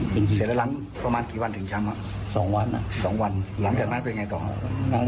เสร็จแล้วหลังประมาณกี่วันถึงช้ำสองวันอ่ะสองวันหลังจากนั้นเป็นไงต่อครับ